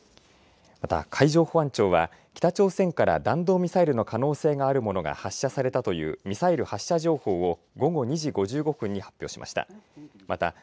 また海上保安庁は北朝鮮から弾道ミサイルの可能性があるものが発射されたというミサイル発射情報を午後２時５５分に発表しました。